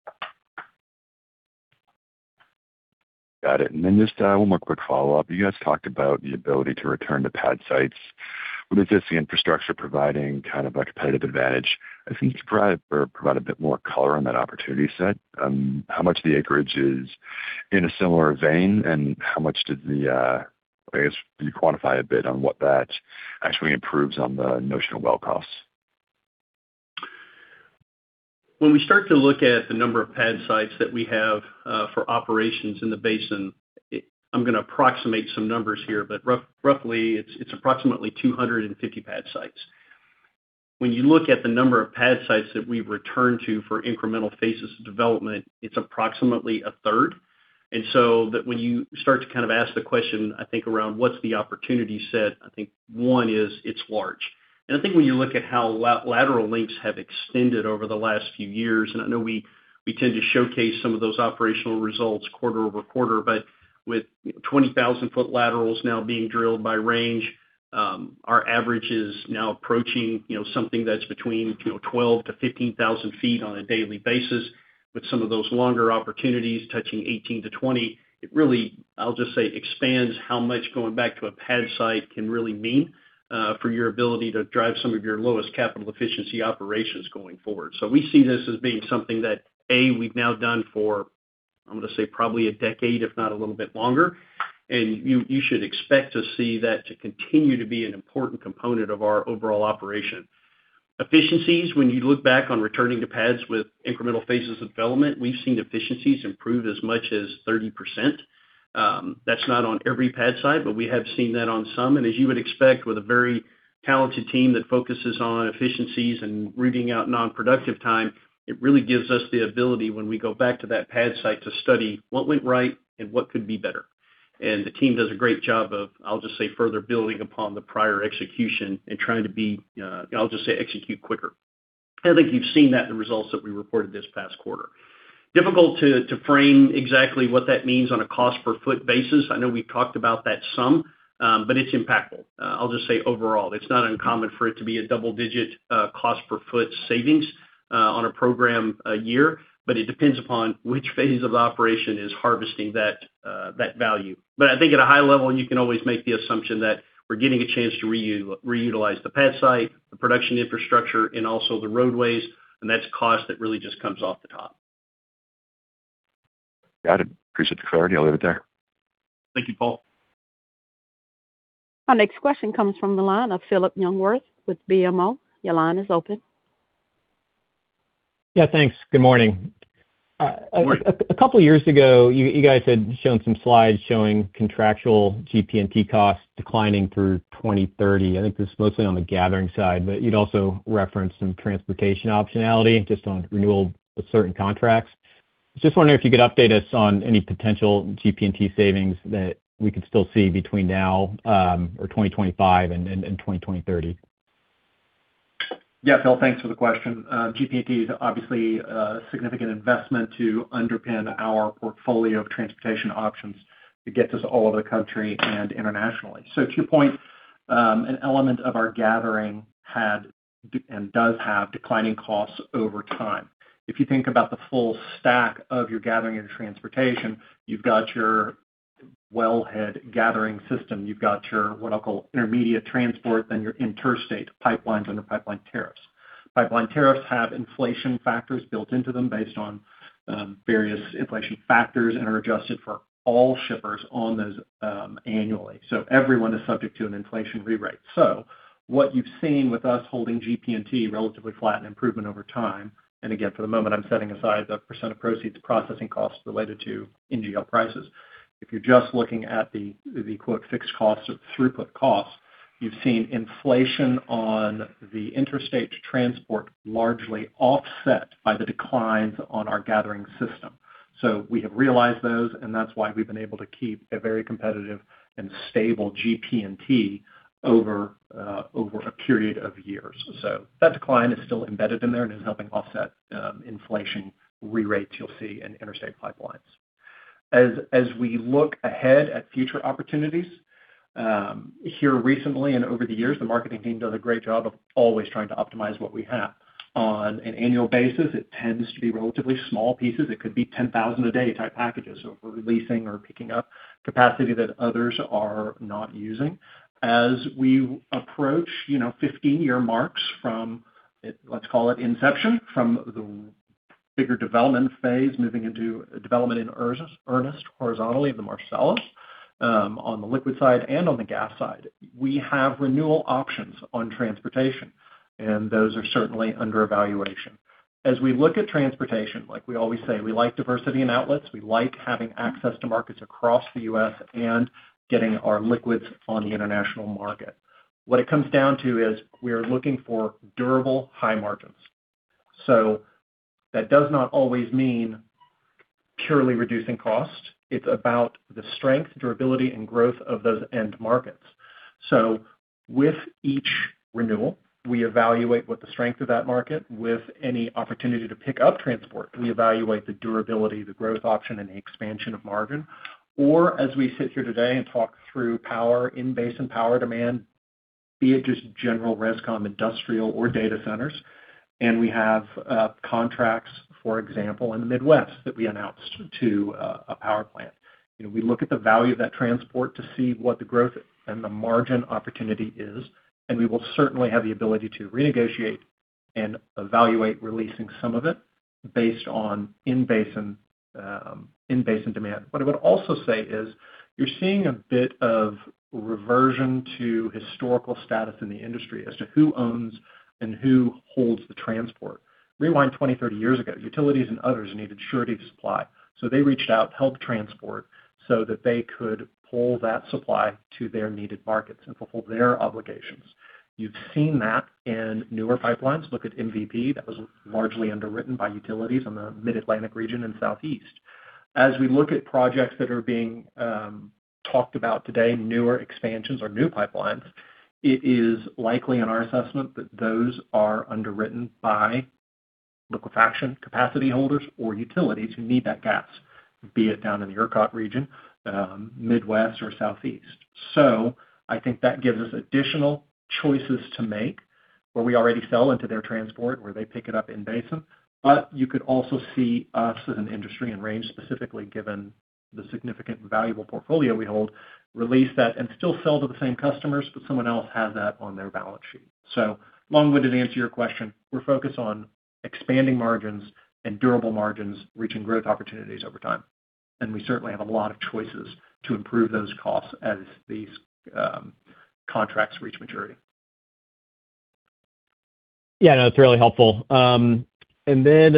Got it. Just one more quick follow-up. You guys talked about the ability to return to pad sites. What is this infrastructure providing a competitive advantage? If you could provide a bit more color on that opportunity set. How much of the acreage is in a similar vein, and how much, I guess, can you quantify a bit on what that actually improves on the notional well costs? When we start to look at the number of pad sites that we have for operations in the basin, I'm going to approximate some numbers here. Roughly, it's approximately 250 pad sites. When you look at the number of pad sites that we've returned to for incremental phases of development, it's approximately a third. When you start to ask the question, I think, around what's the opportunity set, I think one is it's large. I think when you look at how lateral lengths have extended over the last few years, and I know we tend to showcase some of those operational results quarter-over-quarter. With 20,000-ft laterals now being drilled by Range, our average is now approaching something that's between 12,000 to 15,000 ft on a daily basis, with some of those longer opportunities touching 18 to 20. It really, I'll just say, expands how much going back to a pad site can really mean for your ability to drive some of your lowest capital efficiency operations going forward. We see this as being something that, A, we've now done for, I'm going to say, probably a decade, if not a little bit longer. You should expect to see that to continue to be an important component of our overall operation. Efficiencies, when you look back on returning to pads with incremental phases of development, we've seen efficiencies improve as much as 30%. That's not on every pad site, but we have seen that on some. As you would expect with a very talented team that focuses on efficiencies and rooting out non-productive time, it really gives us the ability when we go back to that pad site to study what went right and what could be better. The team does a great job of, I'll just say, further building upon the prior execution and trying to, I'll just say, execute quicker. I think you've seen that in the results that we reported this past quarter. Difficult to frame exactly what that means on a cost per ft basis. I know we've talked about that some, but it's impactful. I'll just say overall, it's not uncommon for it to be a double-digit cost per ft savings on a program a year, but it depends upon which phase of the operation is harvesting that value. I think at a high level, you can always make the assumption that we're getting a chance to reutilize the pad site, the production infrastructure, and also the roadways, and that's cost that really just comes off the top. Yeah, I'd appreciate the clarity. I'll leave it there. Thank you, Paul. Our next question comes from the line of Phillip Jungwirth with BMO. Your line is open. Yeah, thanks. Good morning. Good morning. A couple of years ago, you guys had shown some slides showing contractual GP&T costs declining through 2030. I think this is mostly on the gathering side, but you'd also referenced some transportation optionality just on renewal of certain contracts. I was just wondering if you could update us on any potential GP&T savings that we could still see between now, or 2025 and 2030. Yeah, Phil, thanks for the question. GP&T is obviously a significant investment to underpin our portfolio of transportation options to get this all over the country and internationally. To your point, an element of our gathering had, and does have declining costs over time. If you think about the full stack of your gathering and transportation, you've got your wellhead gathering system, you've got your, what I'll call intermediate transport, then your interstate pipelines under pipeline tariffs. Pipeline tariffs have inflation factors built into them based on various inflation factors, and are adjusted for all shippers on those annually. Everyone is subject to an inflation rewrite. What you've seen with us holding GP&T relatively flat and improvement over time, and again, for the moment, I'm setting aside the percent of proceeds to processing costs related to NGL prices. If you're just looking at the, quote, "fixed cost" or "throughput cost," you've seen inflation on the interstate transport largely offset by the declines on our gathering system. We have realized those, and that's why we've been able to keep a very competitive and stable GP&T over a period of years. That decline is still embedded in there and is helping offset inflation re-rates you'll see in interstate pipelines. As we look ahead at future opportunities, here recently and over the years, the marketing team does a great job of always trying to optimize what we have. On an annual basis, it tends to be relatively small pieces. It could be 10,000 a day type packages, if we're releasing or picking up capacity that others are not using. As we approach 15-year marks from, let's call it inception, from the bigger development phase, moving into development in earnest horizontally of the Marcellus, on the liquid side and on the gas side. We have renewal options on transportation, and those are certainly under evaluation. As we look at transportation, like we always say, we like diversity in outlets. We like having access to markets across the U.S. and getting our liquids on the international market. What it comes down to is we are looking for durable high margins. That does not always mean purely reducing cost. It's about the strength, durability, and growth of those end markets. With each renewal, we evaluate what the strength of that market with any opportunity to pick up transport. We evaluate the durability, the growth option, and the expansion of margin. As we sit here today and talk through power in basin, power demand, be it just general res/com, industrial or data centers. We have contracts, for example, in the Midwest that we announced to a power plant. We look at the value of that transport to see what the growth and the margin opportunity is, and we will certainly have the ability to renegotiate and evaluate releasing some of it based on in-basin demand. What I would also say is you're seeing a bit of reversion to historical status in the industry as to who owns and who holds the transport. Rewind 20, 30 years ago, utilities and others needed surety of supply. They reached out, held transport so that they could pull that supply to their needed markets and fulfill their obligations. You've seen that in newer pipelines. Look at MVP, that was largely underwritten by utilities in the Mid-Atlantic region and Southeast. As we look at projects that are being talked about today, newer expansions or new pipelines, it is likely in our assessment that those are underwritten by liquefaction capacity holders or utilities who need that gas, be it down in the ERCOT region, Midwest or Southeast. I think that gives us additional choices to make where we already sell into their transport, where they pick it up in basin. You could also see us as an industry and Range specifically, given the significant valuable portfolio we hold, release that and still sell to the same customers, but someone else has that on their balance sheet. Long-winded answer to your question, we're focused on expanding margins and durable margins, reaching growth opportunities over time, and we certainly have a lot of choices to improve those costs as these contracts reach maturity. Yeah, no, that's really helpful. Then,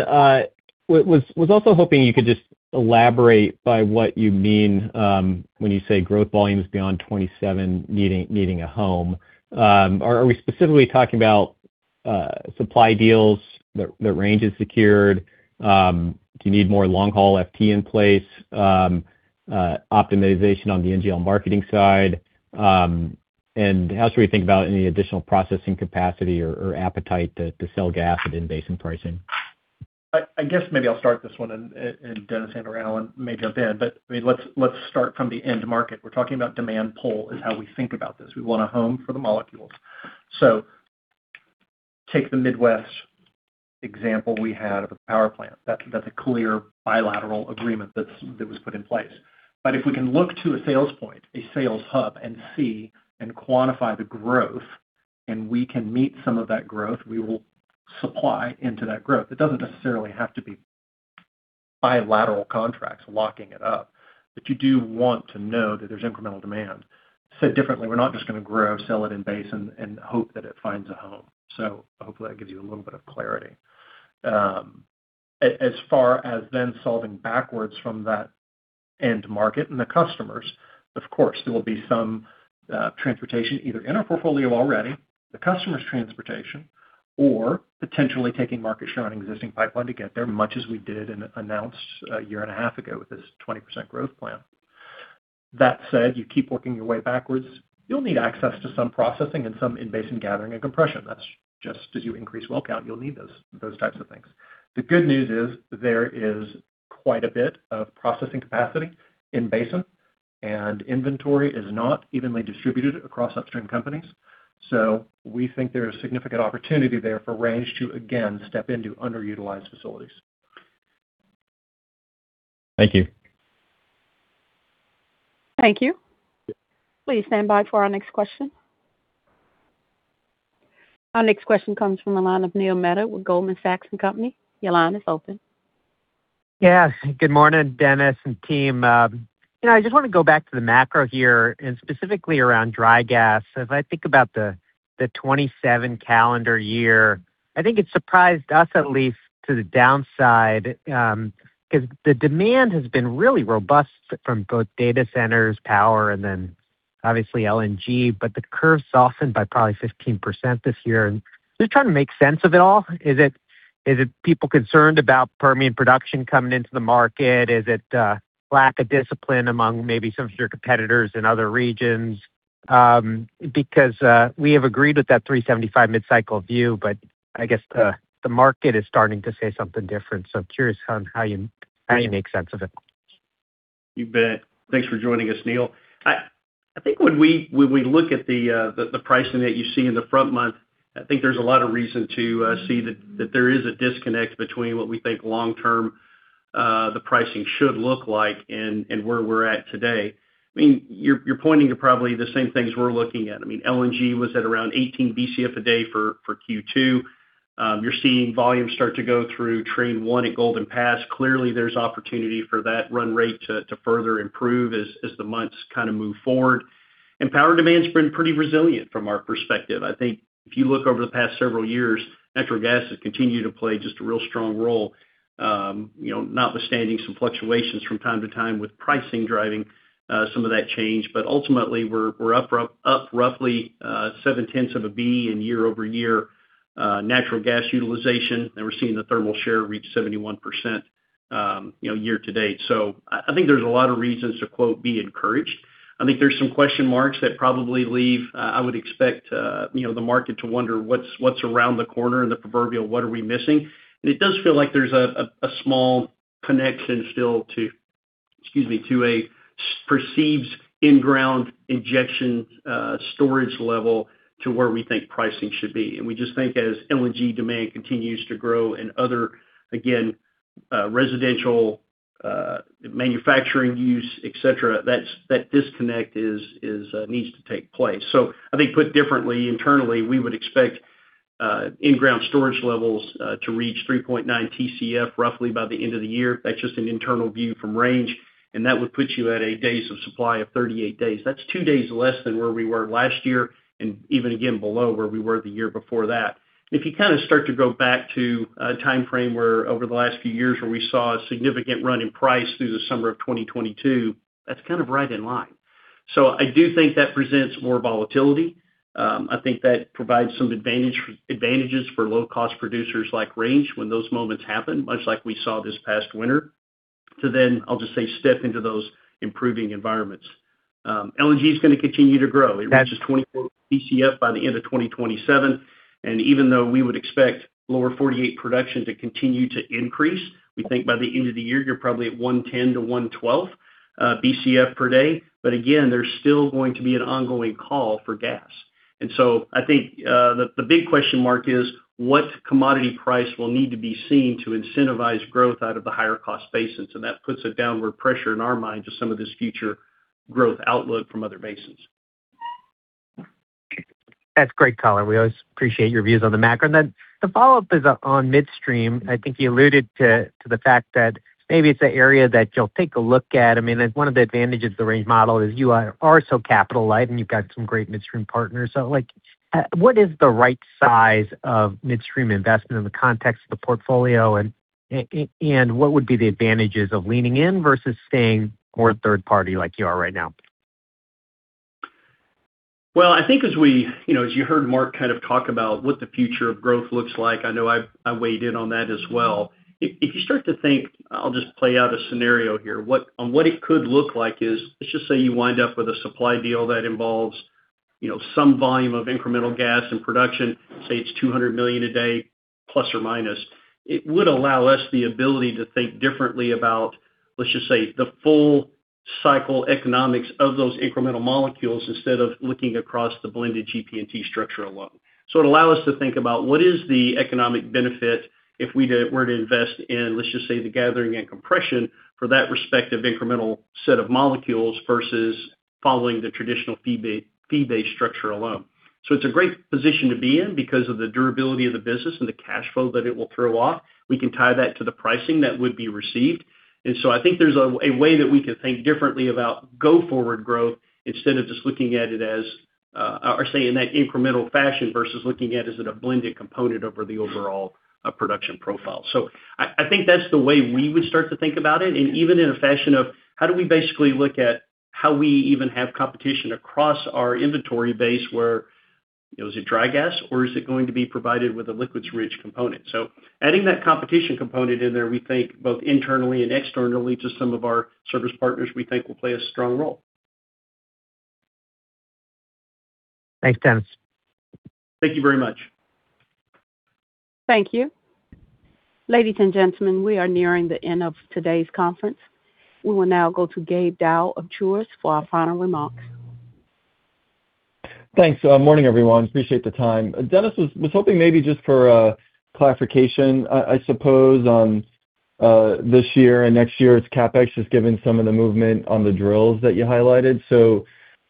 was also hoping you could just elaborate by what you mean when you say growth volumes beyond 2027 needing a home. Are we specifically talking about supply deals that Range has secured? Do you need more long-haul FT in place? optimization on the NGL marketing side. How should we think about any additional processing capacity or appetite to sell gas at in-basin pricing? I guess maybe I'll start this one and Dennis Degner may jump in, let's start from the end market. We're talking about demand pull is how we think about this. We want a home for the molecules. Take the Midwest example we had of a power plant. That's a clear bilateral agreement that was put in place. If we can look to a sales point, a sales hub, and see and quantify the growth, and we can meet some of that growth, we will supply into that growth. It doesn't necessarily have to be bilateral contracts locking it up. You do want to know that there's incremental demand. Said differently, we're not just going to grow, sell it in basin and hope that it finds a home. Hopefully that gives you a little bit of clarity. As far as solving backwards from that end market and the customers, of course, there will be some transportation, either in our portfolio already, the customer's transportation, or potentially taking market share on an existing pipeline to get there, much as we did and announced a year and a half ago with this 20% growth plan. That said, you keep working your way backwards, you'll need access to some processing and some in-basin gathering and compression. That's just as you increase well count, you'll need those types of things. The good news is there is quite a bit of processing capacity in basin, and inventory is not evenly distributed across upstream companies. We think there is significant opportunity there for Range to, again, step into underutilized facilities. Thank you. Thank you. Please stand by for our next question. Our next question comes from the line of Neil Mehta with Goldman Sachs & Company. Your line is open. Good morning, Dennis and team. I just want to go back to the macro here, and specifically around dry gas. As I think about the 2027 calendar year, I think it surprised us at least to the downside, because the demand has been really robust from both data centers, power, and then obviously LNG, but the curve softened by probably 15% this year. Just trying to make sense of it all. Is it people concerned about Permian production coming into the market? Is it lack of discipline among maybe some of your competitors in other regions? We have agreed with that 375 mid-cycle view, but I guess the market is starting to say something different. Curious on how you make sense of it. You bet. Thanks for joining us, Neil. I think when we look at the pricing that you see in the front month, I think there's a lot of reason to see that there is a disconnect between what we think long-term the pricing should look like and where we're at today. You're pointing to probably the same things we're looking at. LNG was at around 18 Bcf a day for Q2. You're seeing volumes start to go through train 1 at Golden Pass. Clearly, there's opportunity for that run rate to further improve as the months move forward. Power demand's been pretty resilient from our perspective. I think if you look over the past several years, natural gas has continued to play just a real strong role, notwithstanding some fluctuations from time to time with pricing driving some of that change. Ultimately, we're up roughly seven tenths of a B in year-over-year natural gas utilization. We're seeing the thermal share reach 71% year to date. I think there's a lot of reasons to, quote, "be encouraged." I think there's some question marks that probably I would expect the market to wonder what's around the corner and the proverbial, what are we missing? It does feel like there's a small connection still to, excuse me, to a perceived in-ground injection storage level to where we think pricing should be. We just think as LNG demand continues to grow and other, again, residential manufacturing use, et cetera, that disconnect needs to take place. I think put differently, internally, we would expect in-ground storage levels to reach 3.9 TCF roughly by the end of the year. That's just an internal view from Range, and that would put you at a days of supply of 38 days. That's two days less than where we were last year and even again below where we were the year before that. If you start to go back to a time frame where over the last few years where we saw a significant run in price through the summer of 2022, that's right in line. I do think that presents more volatility. I think that provides some advantages for low-cost producers like Range when those moments happen, much like we saw this past winter, to, I'll just say, step into those improving environments. LNG is going to continue to grow. It reaches 24 Bcf by the end of 2027. Even though we would expect Lower 48 production to continue to increase, we think by the end of the year, you're probably at 110 to 112 Bcf per day. Again, there's still going to be an ongoing call for gas. I think the big question mark is what commodity price will need to be seen to incentivize growth out of the higher cost basins, and that puts a downward pressure in our mind to some of this future growth outlook from other basins. That's great color. We always appreciate your views on the macro. Then the follow-up is on midstream. I think you alluded to the fact that maybe it's an area that you'll take a look at. One of the advantages of the Range model is you are so capital light, and you've got some great midstream partners. What is the right size of midstream investment in the context of the portfolio, and what would be the advantages of leaning in versus staying more third party like you are right now? Well, I think as you heard Mark kind of talk about what the future of growth looks like, I know I weighed in on that as well. If you start to think, I'll just play out a scenario here. On what it could look like is, let's just say you wind up with a supply deal that involves some volume of incremental gas and production, say it's 200 million a day, plus or minus. It would allow us the ability to think differently about, let's just say, the full cycle economics of those incremental molecules instead of looking across the blended GP&T structure alone. It allow us to think about what is the economic benefit if we were to invest in, let's just say, the gathering and compression for that respective incremental set of molecules versus following the traditional fee-based structure alone. It's a great position to be in because of the durability of the business and the cash flow that it will throw off. We can tie that to the pricing that would be received. I think there's a way that we can think differently about go forward growth instead of just looking at it as, or say in that incremental fashion versus looking at is it a blended component over the overall production profile. I think that's the way we would start to think about it, and even in a fashion of how do we basically look at how we even have competition across our inventory base where, is it dry gas or is it going to be provided with a liquids rich component? Adding that competition component in there, we think both internally and externally to some of our service partners, we think will play a strong role. Thanks, Dennis. Thank you very much. Thank you. Ladies and gentlemen, we are nearing the end of today's conference. We will now go to Gabe Daoud of Truist for our final remarks. Thanks. Morning, everyone. Appreciate the time. Dennis, was hoping maybe just for clarification, I suppose on this year and next year's CapEx, just given some of the movement on the drills that you highlighted.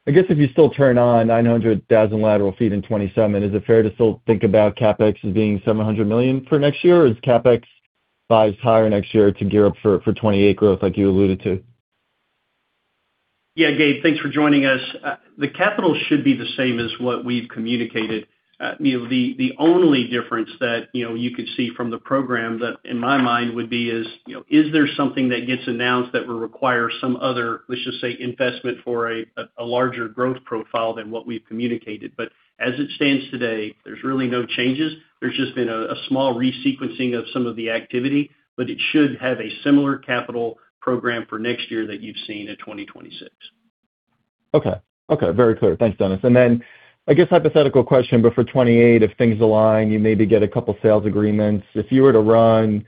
I guess if you still turn on 900,000 lateral ft in 2027, is it fair to still think about CapEx as being $700 million for next year? Or is CapEx $5 higher next year to gear up for 2028 growth like you alluded to? Yeah, Gabe, thanks for joining us. The capital should be the same as what we've communicated. The only difference that you could see from the program that in my mind would be is there something that gets announced that will require some other, let's just say, investment for a larger growth profile than what we've communicated. As it stands today, there's really no changes. There's just been a small resequencing of some of the activity, but it should have a similar capital program for next year that you've seen in 2026. Okay. Very clear. Thanks, Dennis. Then I guess hypothetical question, but for 2028, if things align, you maybe get a couple sales agreements. If you were to run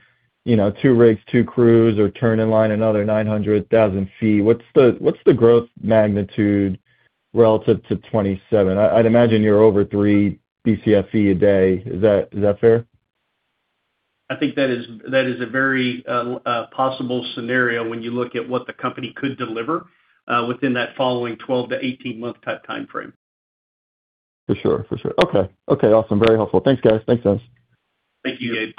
two rigs, two crews, or turn in line another 900,000 MCFE, what's the growth magnitude relative to 2027? I'd imagine you're over 3 BCFE a day. Is that fair? I think that is a very possible scenario when you look at what the company could deliver within that following 12 to 18 month type timeframe. For sure. Okay. Awesome. Very helpful. Thanks, guys. Thanks, Dennis. Thank you, Gabe.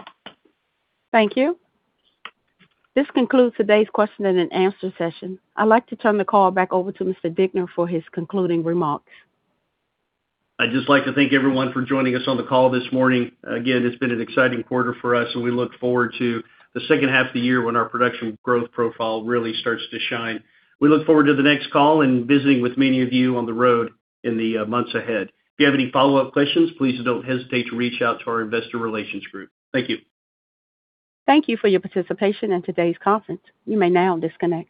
Thank you. This concludes today's question and answer session. I'd like to turn the call back over to Mr. Degner for his concluding remarks. I'd just like to thank everyone for joining us on the call this morning. Again, It's been an exciting quarter for us, and we look forward to the second half of the year when our production growth profile really starts to shine. We look forward to the next call and visiting with many of you on the road in the months ahead. If you have any follow-up questions, please don't hesitate to reach out to our investor relations group. Thank you. Thank you for your participation in today's conference. You may now disconnect.